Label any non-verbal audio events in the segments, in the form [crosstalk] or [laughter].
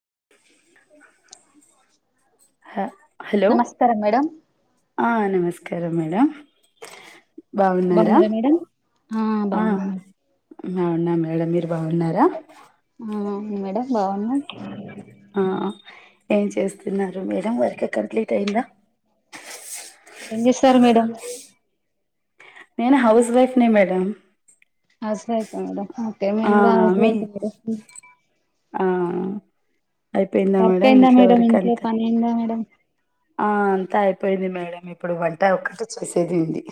ఏ హా హలో నమస్కారం మేడం ఆ నమస్ స్కారం మేడం బాగున్నడా బాగున్నారా మేడం ఆ బాగున్నం మే డం మీరు బాగున్నారా అవును మేడం బాగున్నా ఆ ఏం చేస్తున్నారు మేడం వర్క్ కంప్లీట్ అఇందా ఏం చేస్తారు మేడం నేను హౌస్ వైఫ్ నే మేడం ఆ మీ [inaudible] ఆ అయిపోయిందా వర్క్ మేడం అయిందా ఇంట్లో వర్క్ ఇంట్లో అంత పని అయిందా మేడం ఆ అంతా అయిపోయింది మేడం ఇప్పుడు వంట ఒకటే చూసేదుంది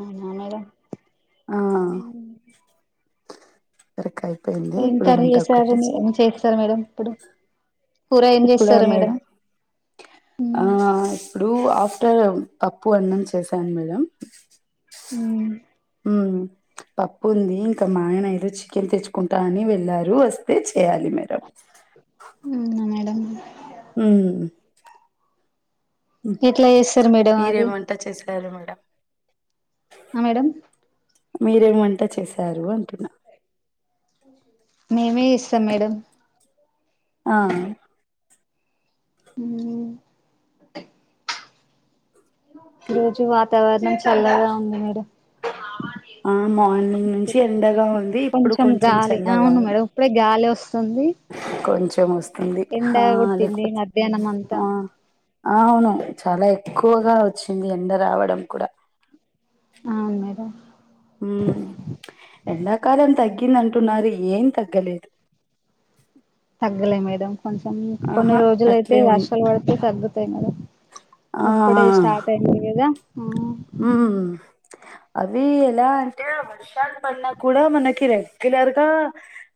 అవునా మేడం సర్క్కయ్ ఏం కర్రీ చేసారు ఏం చేస్తారు మేడం ఇప్పుడు కూర ఏం ఇప్పుడా చేస్తారు మేడం ఆ ఇప్పుడు పప్పు అన్నం చేశాను మేడం మ్ మ్ పప్పు ఉంది ఇంకా మా అయనైతే చికెన్ తెచ్చుకుంటా అని వెళ్ళారు వస్తే చేయ్యలి మేడం మ్ మ్ ఎట్లా చేస్తారు మేడం అది తరు మేడం ఆ మేడం మీరేం వంట చేశారు అంటున్న మేమే చేస్తాం మేడం ఆ మ్ ఈ రోజు వాతావరణం చల్లగా ఉంది మేడం ఆ మార్నింగ్ నుంచి ఎండగా ఉంది. ఇప్పుడు కొంచెం గాలి చల్లగా అవును ఉంది. మేడం ఇప్పుడే గాలోస్ ఉంది కొంచెం వస్తుంది ఆ లేకపోతే మధ్యాహ్నం అంతా ఆ అవును చాలా ఎక్కువగా వచ్చింది ఎండ రావడం కూడా అవును మేడం మ్ ఎండాకాలం తగ్ తగ్గిందంటున్నారు ఏం తగ్గలేదు తగ్గలే మేడం కొంచెం కొన్ని ఆహా రోజులైతే అట్లే ఉంది. వర్షాలు పడితే తగ్గుతాయి మేడం ఆ ఇప్పుడే స్టార్ట్ అయినాయి కదా మ్మ్ అవి ఎలా అంటే వర్షాలు పడిన కూడా మనకి రెగ్యులర్ గా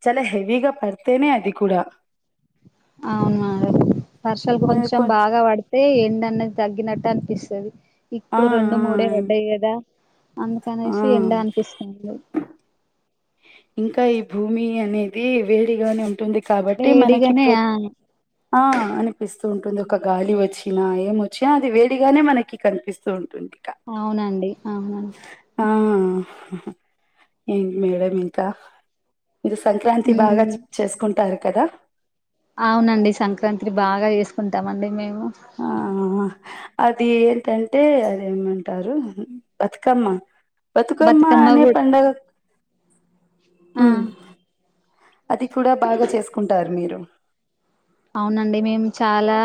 చాలే హెవిగా పడితేనే అది కూడా అవును మారే వర్షలు కొంచెం కొ బాగా పడితే ఎండ డ తగ్గినట్టనిపిస్తది ఆ ఆ ఇప్పుడు రెండు మూడే పడ్డాయి కదా ఆ అందుకనేసి ఎండా అనిపిస్థంది ఇంకా ఈ భూమి అనేది వేడిగానే ఉంటుంది కాబట్టి మనకి వేడిగానే ప్ర ఆ ఆ అనిపిస్తూ ఉంటుంది ఒక గాలి వచ్చి నా ఏమొచ్చినా అది వేడిగానే మనకి కనిపిస్తూ ఉంటుంది ఇక అవునండి అవును ఏం మేడం ఇంకా మీరు సంక్రాంతి బాగా చ్ ఉమ్ చేసుకుంటారు కదా అవునండి సంక్రాంత్రి బాగా చేసుకుంటామండి మేము ఆ అది ఏంటంటే అదిేఏమంటారు బతుకమ్మ బతుకమ్మా బతుకమ్మ అనే కూడా పండగ ఆ మ్ అది కూడా బాగా చేసుకుంటారు మీరు అవునండి మేము చాలా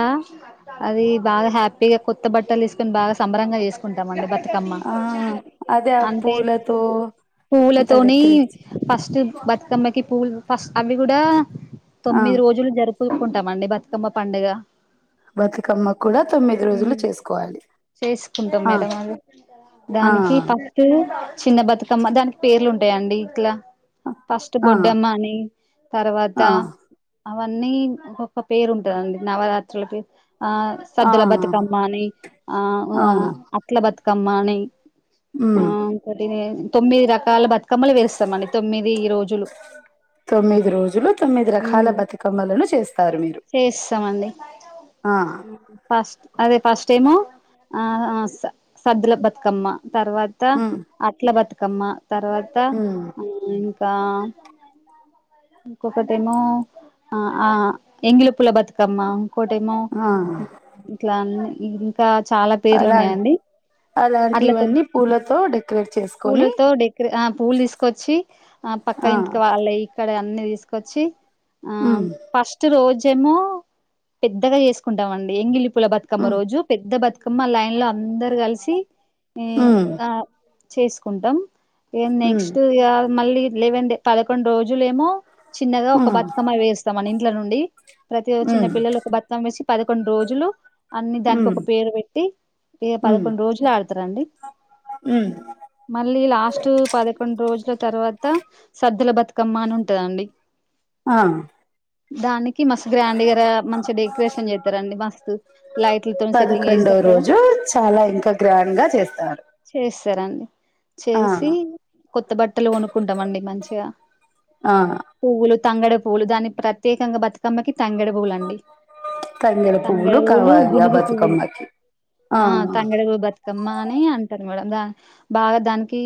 అది బాగా హ్యాపీగా కొత్త బట్టలేసుకొని బాగా సంబరంగా చేసుకుంటాం అండి బత్ కమ్మా ఆ అదే ఆ అంటే పూలతో అంత పులతోని డెకరేట్ చే ఫస్ట్ బతుకమ్మకి పూలు ఫస్ అవి కూడా ఆ తొమ్మిది రోజులు జరుప్ చూసుకుంటామండి బతుకమ్మ పండుగ బతుకమ్మ కూడా తొమ్మిది రోజులు మ్ చేసుకోవాలి చేసుకుంటాం ఆ మేడం అది ఆ దానికి ఫస్ట్ చిన్న బతుకమ్మ దానికి పేర్లు ఉంటాయండి ఇట్లా ఫస్ట్ ఆ బొడ్డమ్మ అని తర్వాత ఆ అవన్నీ ఒకొక్క పేరు ఉంటదండి నవరాత్రులకి ఆ ఆ సద్దుల బతుకమ్మని అని అ మ్ అ అవును అట్ల బతుకమ్మని ఆ ఉమ్ ఇంకోటి తొమ్మిది రకాల బత్ కమ్మలు వేస్తామండి తొమ్మిది రోజులు తొమ్మిది రోజులు తొమ్మిది ఉమ్ రకాల బతుకమ్మలను చేస్ చేస్తామండి ఆ ఫస్ట్ అదే ఫస్ట్ ఏమో అ ఆ స సద్దుల బతుకమ్మ తర్వాత ఉమ్ అట్ల బతుకమ్మ తర్వాత ఉమ్ ఇంకా ఇంకొకటేమో ఆ ఆ ఎంగిలి పూల బతుకమ్మా కోటేమో ఆ ఇట్లా ఇంకా చాలా పేర్లు అలా ఉన్నాయండి అట్ల తో అలాంటివన్నీ పూలతో డెకరేట్ చేసుకొని పూలలో ఆ పూలు తీసుకొచ్చి ఆ ఆ పక్క ఇంటికి వాళ్ళయి ఇక్కడ అన్ని తీసుకొచ్చి ఆ ఉమ్ ఫస్ రోజేమో పెద్దగా చేసుకుంటామండి ఎంగిలి పూల బతుకమ్మ ఉమ్ రోజు పెద్ద బత్ కమ్మ లైన్ లో అందరు కలిసి ఇ ఉమ్ ఆ చేసుకుంటాం ఇగ ఉమ్ నెక్స్ట్ ఇగ మళ్ళీ లేవన్ డే పదకొండు రోజులేమో చిన్నగా ఒక ఉమ్ బతుకమ్మ పేరుస్తామండి ఇంట్ల నుండి ప్రతిరోజు చిన్న ఉమ్ పిల్లలు ఒక బతుకమ్మ పెర్సీ పదకొండు రోజులు అన్ని దానికొక ఉమ్ పేరు పెట్టి ఇగ ఉమ్ పదకొండు రోజులు ఆడుతారండి ఉమ్ మళ్ళీ లాస్ట్ పదకొండు రోజుల తర్వాత సద్దుల బత్ కమ్మా అని ఉంటదండి ఆ దాని కి మస్ గ్రాండ్ గా మంచిగ డెకరేషన్ చేస్తారండి మస్తు లైట్లతోని సెట్టింగ్ చేసి పదకొండవ అక్కడ రోజు చాలా ఇంకా గ్రాండ్ గా చేస్తారు చేస్తారండి ఆ చేసి కొత్త బట్టలు కొనుక్కుంటామండి మంచిగా ఆ తంగేడు పూ్లు దానికి ప్రత్యేకంగా బతుకమ్మకి తంగేడు పూలండి తంగెల పువ్వులు తంగేడు పులు కావాలి ఆ గునుగు పులు బతుకమ్మకి ఆ తంగేడుపువ్ బతుకమ్మ అని అంటారు మేడం దా బాగా దానికి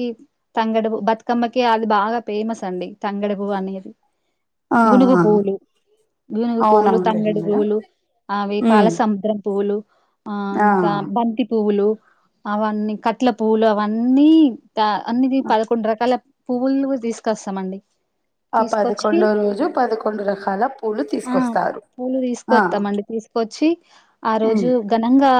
తంగేడుపు బతుకమ్మకి అది బాగా ఫేమస్ అ ండి తంగేడుపు అనేది ఆ అ పువ్లు గునుగు పువ్వులు తంగేడు మేడం పువ్లు అవి ఉమ్ పాలసముద్రం పువ్వులు ఆ ఇంకా బంతి పువ్వులు అవన్నీ కట్ల పువ్వులు అవన్నీ త అన్నిది పదకొండు రకాల పువ్వులు తీసుకొస్తామండి ఆ తీసుకొచ్చి పదకొండో రోజు పదకొండు రకాల పూలు తీసుకొస్తారు పులు ఆ తీసుకొస్తామండి తీసుకొచ్చి ఆ ఉమ్ రోజు ఘనంగా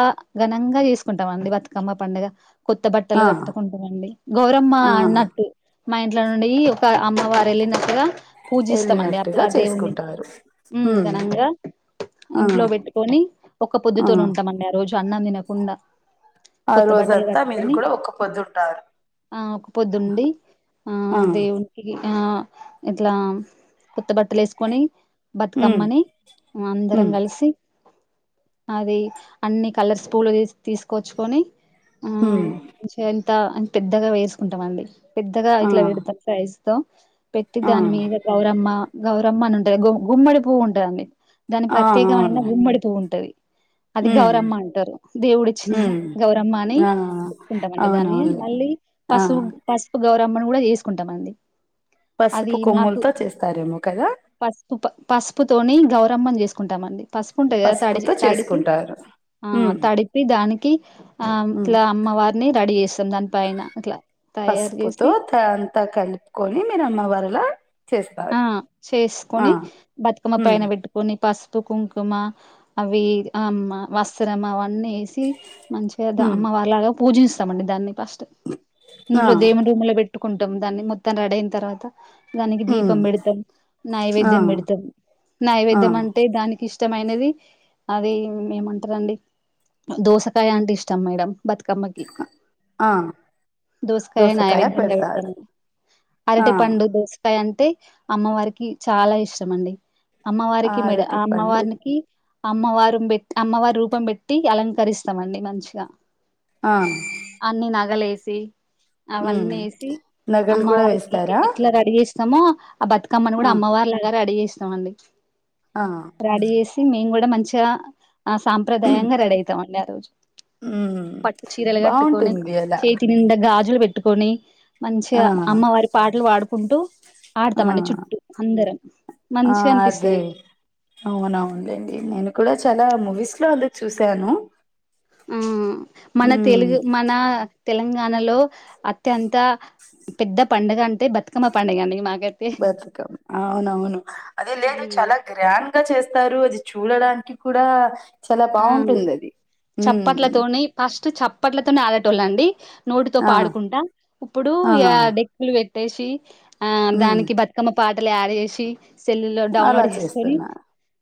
ఘనంగా చేసుకుంటామండి బతుకమ్మ పండుగ కొత్త బట్టలు ఆ కట్టుకుంటమండి గౌరమ్మ ఆ అన్నట్టు మా ఇంట్ల నుండి ఒక అమ్మవారు వెళ్ళినట్టుగా పూజిస్తామండి అప్ ప్పుడు వెళ్ళినట్టుగా ఆ దేవున్ని చేసుకుంటారు మ్ ఉమ్ ఘనంగా ఆ ఇంట్లో పెట్టుకొని ఒక ఆ పొద్దుతోనుంటామండి ఆ రోజు అన్నం తినకుండా ఆ కొత్త బట్టలు రోజంతా మీరు కట్టుకొని కూడా ఒక్క పొద్దుంటారు ఆ ఒక పొద్దుండి ఆ దేవునికి ఆ ఇట్లా కొత్త బట్టలేసుకొని ఉమ్ బతుకమ్మని అందరం ఉమ్ కలిసి అది అన్నిీ కలర్స్ పూలు తీసుకొచ్చుకొని మ్ దా పెద్దగా వేసుకుంటామండి పెద్దగా ఆ ఇట్లా పెడుతారు ప్రైజ్ తో పెట్టి ఆ దాని మీద గౌరమ్మ గౌరమ్మ అని ఉంటది గుమ్మడి పువ్వు ఉంటదండి దాని ఆ ప్రత్యేకమైన అవును గుమ్మడిపువ్వు ఉంటది అది ఉమ్ గౌరమ్మ అంటారు దేవుడు ఇచ్చిన ఉమ్ గౌరమ్మ అని ఆ కుంటామండి దాన్ని అవునవునులేండి మళ్ళీ ఆ పసుపు పసుపు గౌరమ్మను కూడా చేసుకుంటామండి అది పసుపు నాకు కొమ్ములతో చేస్తారేమో కదా పసుపు పసుపుతోని గౌరమ్మన్ చేసుకుంటామండి పసుపు ఉంటాయి కదా తడి పసుపుతో తాడిపి చేసుకుంటారు ఆ ఉమ్ తడిపి దానికి ఆ ఉమ్ ఇట్లా అమ్మవారిని రెడీ చేస్తాం దానిపైైన ఇట్లా తయారు పసుపుతో చేసి త అంతా కలుపుకొని మీరు అమ్మవారిలా ఆ చేస్తారు ఆ చేసుకొని బతుకమ్మ ఉమ్ పైన పెట్టుకొని పసుపు కుంకుమా అవి ఆ మ వస్త్రం అవ న్నేసి మంచిగా ఉమ్ అమ్మవారిలాగా పూజిస్తామండి దాన్ని ఫస్ట్ ఆ ఇంట్లో దేవుని రూములో పెట్టుకుంటాం దాన్ని మొత్తం రెడి అయిన తర్వాత దానికి దీ పం ఉమ్ పెడుతా ఆ నైవేద్యం పెడుతము ఆ నైవేద్యం అంటే దానికి ఇష్ ష్టమైనది అది ఏమంటారండి దోసకాయ అంటే ఇష్టం మేడం బతుకమ్మకి ఆ దోసకాయ నైవేద్యంగా పెడుతారం ఆ అరటి పండు దోసకాయ అం అమ్మవారికి చాలా ఇష్టం అండి ఆ అమ్మవారికి మెడ్ అరటి పండు అమ్మవారికి అమ్మవారూం పెట్ అమ్మవారి రూపం పెట్టి అలంకరిస్తామండి మంచిగా ఆ అన్ని నగలేసి ఉమ్ అవన్నేసి నగలు కూడా అమ్మవారికి వేస్తారా ఎట్లా రడి చేేస్ స్తమో ఆ బతుకమ్మని కూడా ఆ అమ్మవారిలాగ రడి చేేస్తామండి ఆ రాడీ చేసి మేము కూడా మంచిగా ఆ సాంప్రదాయంగా రెడీ అవుతామండి ఆ రోజు ఉమ్ పట్టు చీరలు కట్టుకోనే బాగుంటుంది అలా చేతి నింద గాజు జులు పెట్టుకొని మంచిగా ఆ అమ్మవారి పాటలు పాడుకుంటూ ఆ ఆడుతామండి చుట్టూ అందరం మంచిగనిపిస్తది అవునవును లెండి నేను కూడా చాలా మూవీస్లో అంద్ చూసాను ఆ మన ఉమ్ తెలుగు మన తెలంగాణలో అత్యంత పెద్ద పండుగ అంటే బతుకమ్మ పండుగే అండి మా బతుకమ్ అవునవును అదే లేదు ఉమ్ చాలా గ్రాండ్ గా చేస్తారు అది చూడడానికి కూడా చాలా ఆ బాగుంటుంది అది మ్ స్టు చప్పట్లతోనే ఆడేటోళ్ళండి నోటితో ఆ పాడుకుంటా ఇప్పుడు ఇగ ఆ డెక్కులు పె ట్టేసి ఆ హ్మ్. దానికి బతుకమ్మ పాటలు అడ్ చేసి సెల్ లో అలా డౌన్లోడ్ చేసుకొని చేస్తున్నా.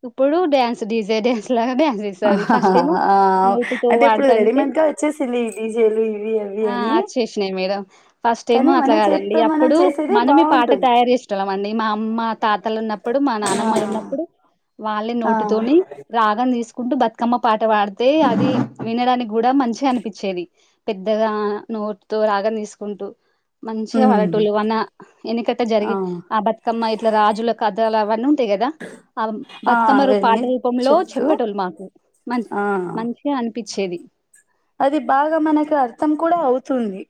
ఇప్పుడు డ్యాన్స్ డీజే డ్యాన్స్ లాగా డ్యన్ ఆ అంటే ఇప్పుడు పాడుతంటే రెడీమేడ్ గా వచ్చేసింది ఇ డిజేలు ఇవి అవి అని చేసినాయి మేడం ఫస్ట్ ఏమో కానీ మన అట్లా కాదండి చేతితో మనం అప్పుడు చేసేదే మనమే పాట బావుంటుంది. తయారు చేసేటోళ్ళమండి మా మా తాతలు ఉన్నప్పుడు మా ఆ! నానమ్మలు ఉన్నప్పుడు వాళ్ళే ఆ! నోటుతోని రాగం తీసు క్కమ్మ పాట పాడితే అది వినడానికి కూడా మంచిగనిపిచ్చేది పెద్దగా నోటితో రాగం తీసుకుంటూ మంచిగా హ్మ్. పడేటోళ్ళు వన ఎనుకట జరిగి ఆ బతుకమ్మ ఇట్లా రాజుల కథలవ అంతే కదా ఆ ఆ! బతుకమ్మ అవన్నీ పాటరూపంలో చెప్తూ చెప్పేటోళ్ళు మాకు మంచ్ ఆ! మంచిగన్పిచ్చేది అది బాగా మనకి అర్థం కూడా అవుతుంది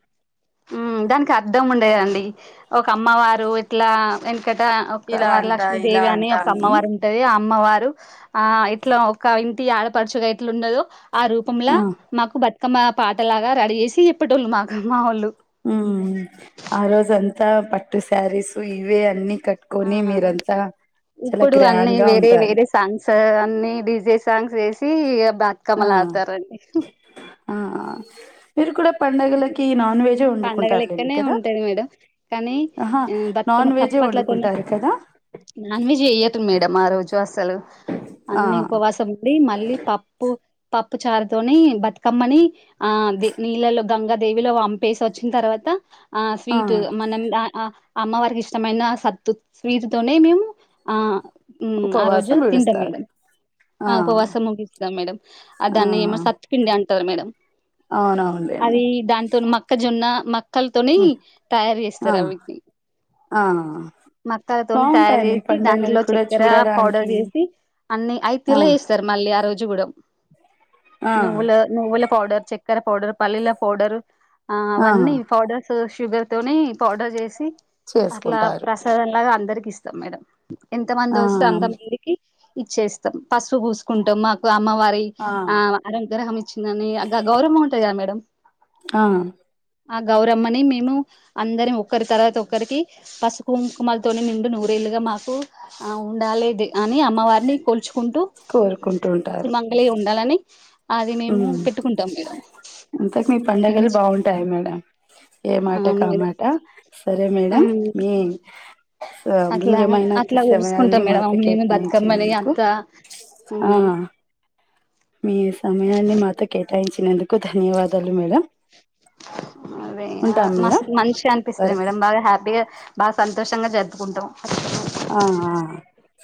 దానికి అర్థం ఉండేదండి ఒక అమ్మవారు ఇట్లా ఇక్కడ ఒక ఇలా అంట, ఇలా వరలక్ష్మిీదేవి అని అంట ఒక అమ్మవారు ఉంటది ఆ అమ్మవారు ఆ ఇట్లా ఒక ఇంటి ఆడపడుచుగా ఎట్లా ఉండదు ఆ ఆ! రూపంలా మాకు బ మా పాటలాగా రెడీ చేేసి ఇప్పటోళ్ళు మాకమ్ మా వాళ్ళు హుమ్ ఆ రోజఅంతా పట్టు సారీసు ఇవే అన్ని ఆ కట్కొని మీరంతా చాలా ఇప్పుడు అన్నీ గ్రాండ్‌గా వేరే ఉంటారు. వేరే సాంగ్స్ అన్ని డిజే సాంగ్స్ వేసి ఇ బతుకమ్మలు ఆ! ఆడతారండి పండుగలకి నాన్ వెజే పండగ వండుకుంటారు లేండి లెక్కనే కదా ఉంటది మేడం కానీ అహ ఆ నాన్ బతుకమ్మ వెజ్ చప్పట్లతోనే వండుకుంటారు కదా నాన్ వెజ్ జెయ్యదు మేడం ఆ రోజు అసలు ఆ అన్ని ఉపవాసం ఉండి మళ్ళీ పప్పు పప్పు చారుతోని బతుకమ్మని ఆ ది నీళ్ళలో గంగాదేవిలో పంపేసి వచ్చిన తర్వాత ఆ స్వీట్ మనం ఆ అమ్మవారికి ఇష్టమైన సత్తు స్వీటితోనే మేము ఆ ఉ ఆ రోజు ఉపవాసం తింటా విడుస్తారు మేడం ఆ ఉపవాసం ముగిస్తాం మేడం ఆ దాన్ని ఏమ సత్కిండి అంటారు మేడం అవునవునండి అది దాంతో మక్కజొన్న మక్కలతోనే హ్మ్, తయారు ఆ చేస్తారు అవిటిని ఆ మక్కలతోని తయారు బాగుంటాయి మీ చేసి పండగలు దాంట్లో కూడా చక్కెర పౌడర్ చూడడానికి చేసి అన్ని అయితే ఆ ఇలా చేస్తారు మళ్ళీ ఆ రోజు జుగూడ ఆ నువ్వు నువ్వుల పౌడర్ చక్కర పౌడర్ పల్లీల పౌడరు ఆ అవన్నీ పౌడర్స్ షుగర్ తోనే పౌడర్ చేసి అట్లా చేసుకుంటారు ప్రసాదంలాగా అందరికి ఇస్తాం మేడం ఎంత మంది ఆ వస్తే అంత మందికి ఇచ్చేస్తాం పసుపు పూసుకుంటాం మాకు అమ్మవారి ఆ అనుగ్రహం ఇచ్చిందని అ గౌరవం ఉంటాది కదా మేడం అ ఆ గౌరమ్మని మేము అందరం ఒక్కరి తర్వాత ఒక్కరికి పసుకుంకుమలతోని నిండు నూరే మాకు ఉండాలి అని అమ్మవారిని కోల్చు కుంటూ కోరుకుంటూ ఉంటారు సుమంగళీ ఉండాలని అది మేము ఉమ్ పెట్టుకుంటాం మేడం అంతకు మీ పండుగలు మంచి బాగుంటాయి మేడం ఏ మాట అవును మేడం కామాట సరే మేడం అవును మీ స అట్లా బింజమైన అట్లా కసేమయ కొలుసుకుంటాం అన్నన్ని మేడం మాకు అవును నేను బతుకమ్మని కేటాయించినందుకు అత్త ఆ మీ సమయాన్ని మాతో కేటాయించినందుకు ధన్యవాదాలు మేడ అదే మస్తు మంచిగ అనిపిస్తది సరే మేడం బాగా హ్యాపీగా బాగ సం సంతోషంగా జరుపుకుంటాం ఆహ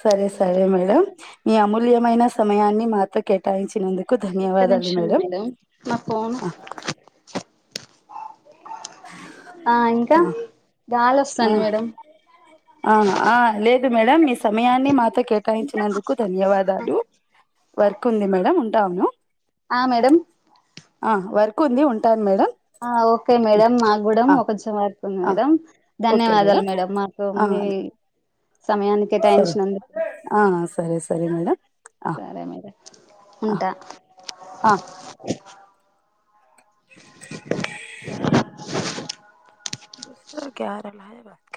సరే సరే మేడం మీ అమూల్యమైన సమయాన్ని మాతో కేటాయించు నందుకు ఒక్క ధన్యవాదాలు నిమిషం మేడం నా ఫోన్ ఆ ఇంకా గాలి ఆ వస్తాంది మేడం ఆ ఆ లేదు మేడం మీ సమయాన్ని మాతో కేటాయించినందుకు ధన్యవాదాలు వర్క్ ఉంది మేడం ఉంటాను ఆ మేడం ఆ వర్క్ ఉంది ఉంటాను మేడం ఆ ఓకే మేడం మాగూడా ఆ ఒకంచెమార్ ఆ మేడం ధన్యవాదాలు మేడం మాతో ఆ మీ సమయాన్ని సరే కేటాయించినందుకు ఆ సరే సరే మేడం ఆ సరే మరే ఆ ఉంటా ఆ సరా క రమ్య బ క